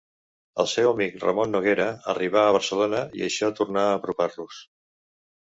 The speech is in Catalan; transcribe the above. El seu amic Raimon Noguera arribà a Barcelona, i això tornà a apropar-los.